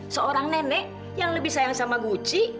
seorang nenek yang lebih sayang sama guci